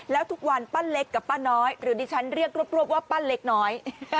แล้วทุกวันป้าเล็กกับป้าน้อยหรือดิฉันเรียกรวบว่าป้าเล็กน้อย